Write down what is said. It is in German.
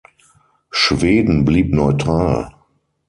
Schweden blieb neutral.